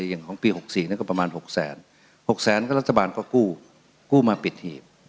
อย่างของปี๖๔นั้นก็ประมาณ๖แสน๖แสนก็รัฐบาลก็กู้กู้มาปิดหีบ